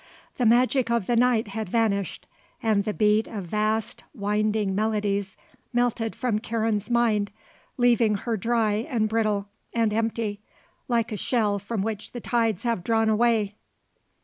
The magic of the night had vanished and the beat of vast, winding melodies melted from Karen's mind leaving her dry and brittle and empty, like a shell from which the tides have drawn away.